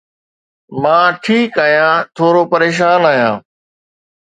مان ٺيڪ آهيان، ٿورو پريشان آهيان.